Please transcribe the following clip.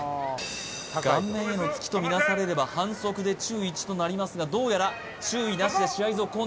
顔面への突きと見なされれば反則で注意１となりますがどうやら注意なしで試合続行のようです